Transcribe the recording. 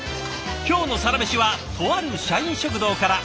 今日の「サラメシ」はとある社員食堂から。